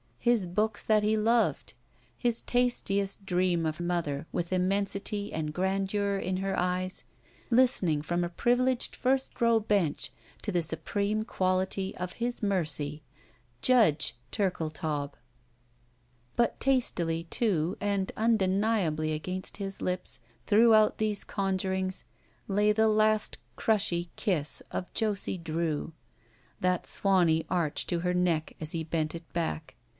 His bocds, that he loved. His tastiest dream of mother, with 256 ROULETTE immensity and grandeur [in her eyes, listening from a privileged &st row bench to the supreme quality of his mercy. Judge — ^Turldetaub ! But tastily, too, and tmdeniably against his lips, throughout these conjurings, lay the last crushy kiss of Josie Drew. That swany arch to her neck as he bent it back.